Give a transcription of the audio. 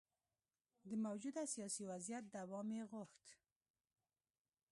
د موجوده سیاسي وضعیت دوام یې غوښت.